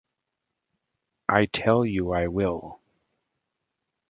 I tell you I will.